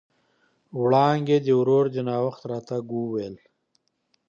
وړانګې د ورور د ناوخت راتګ وويل.